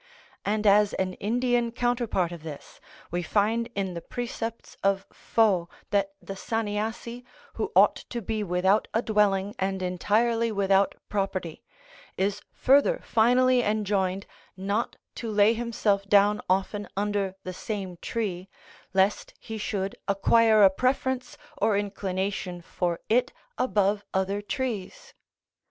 And as an Indian counterpart of this, we find in the precepts of Fo that the Saniassi, who ought to be without a dwelling and entirely without property, is further finally enjoined not to lay himself down often under the same tree, lest he should acquire a preference or inclination for it above other trees.